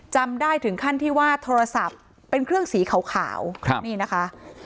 จำได้ถึงขั้นที่ว่าโทรศัพท์เป็นเครื่องสีขาวนี่นะคะ